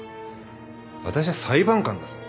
私は裁判官だぞ。